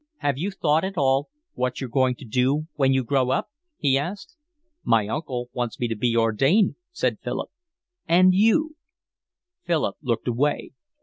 "Have you thought at all what you're going to be when you grow up?" he asked. "My uncle wants me to be ordained," said Philip. "And you?" Philip looked away.